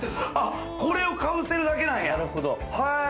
これをかぶせるだけなんや。